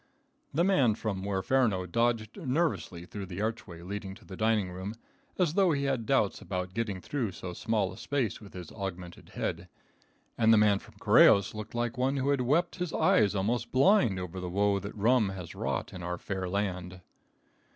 The man from Huerferno dodged nervously through the archway leading to the dining room as though he had doubts about getting through so small a space with his augmented head, and the man from Correjos looked like one who had wept his eyes almost blind over the woe that rum has wrought in our fair land.